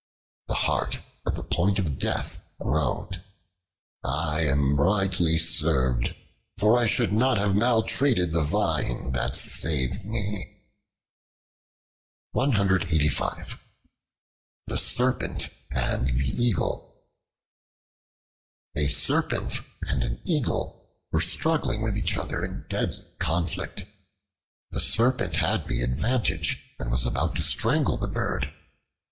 The Hart, at the point of death, groaned: "I am rightly served, for I should not have maltreated the Vine that saved me." The Serpent and the Eagle A SERPENT and an Eagle were struggling with each other in deadly conflict. The Serpent had the advantage, and was about to strangle the bird.